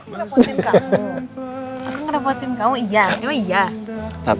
kamu gak usah direpotin